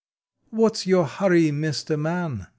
S your hurry, Mister Man?